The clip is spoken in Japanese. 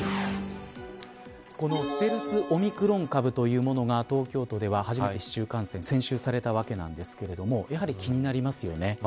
このステルスオミクロン株というものが東京都では初めて市中感染先週されたわけなんですけれどもやはり気になりますよね。